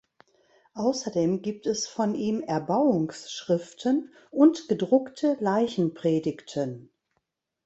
Außerdem gibt es von ihm Erbauungsschriften und gedruckte Leichenpredigten.